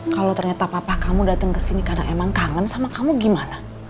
kalau ternyata papa kamu datang kesini karena emang kangen sama kamu gimana